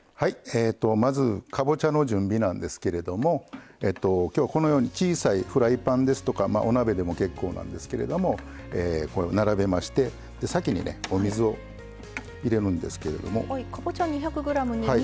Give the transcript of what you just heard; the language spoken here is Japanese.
えとまずかぼちゃの準備なんですけれども今日はこのように小さいフライパンですとかお鍋でも結構なんですけれどもこう並べましてで先にねお水を入れるんですけれども。